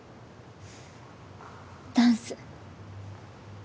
ダンス